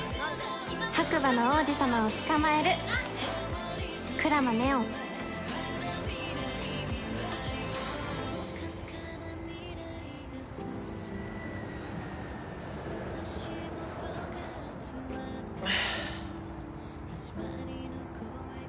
「白馬の王子様をつかまえる」「鞍馬祢音」ああ。